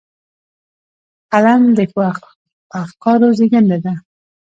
قلم د ښو افکارو زېږنده ده